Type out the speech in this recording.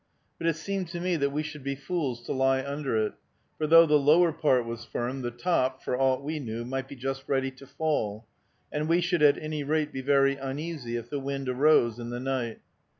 But it seemed to me that we should be fools to lie under it, for though the lower part was firm, the top, for aught we knew, might be just ready to fall, and we should at any rate be very uneasy if the wind arose in the night.